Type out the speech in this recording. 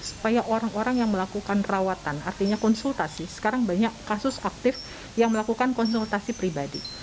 supaya orang orang yang melakukan rawatan artinya konsultasi sekarang banyak kasus aktif yang melakukan konsultasi pribadi